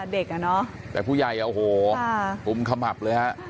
เด็กอ่ะเนอะแต่ผู้ใหญ่โอ้โหกุมขมับเลยฮะ